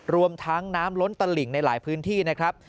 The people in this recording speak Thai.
รวมทั้งน้ำล้นตลิ่งในหลายพื้นที่นะครับ